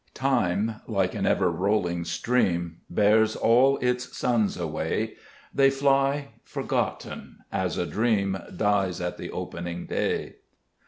6 Time, like an ever rolling stream, Bears all its sons away : They fly forgotten, as a dream Dies at the opening day.